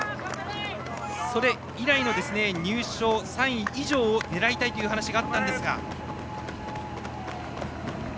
それ以来の入賞、３位以上を狙いたいという話があったんですが。